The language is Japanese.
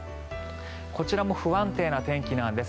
こちらも不安定な天気なんです。